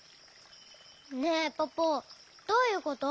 ねえポポどういうこと？